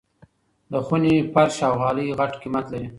د خوني فرش او غالۍ غټ قيمت لري.